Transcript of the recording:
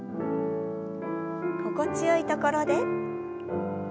心地よいところで。